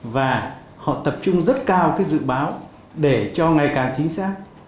và họ tập trung rất cao cái dự báo để cho ngày càng chính xác